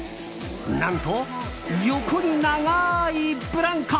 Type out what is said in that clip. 何と、横に長いブランコ。